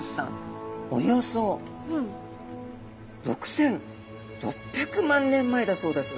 およそ６，６００万年前だそうです。